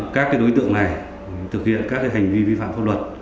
các đối tượng này thực hiện các hành vi vi phạm pháp luật